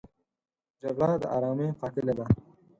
جګړه د آرامۍ قاتله ده